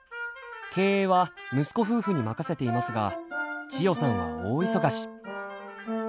経営は息子夫婦に任せていますが千代さんは大忙し。